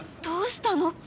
どうしたの？